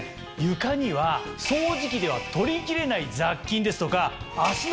床には掃除機では取りきれない雑菌ですとか。